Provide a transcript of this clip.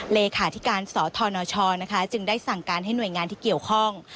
เลขาธิการสธนชจึงได้สั่งการให้หน่วยงานที่เกี่ยวข้อง